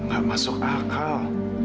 gak masuk akal